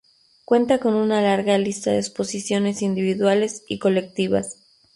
Cuenta con una larga lista de exposiciones individuales y colectivas.